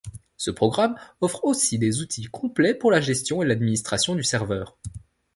Ce programme offre aussi des outils complets pour la gestion et l'administration du serveur.